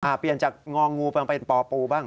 อ่ะเปลี่ยนจากงองงูเปล่าไปป่อปูบ้าง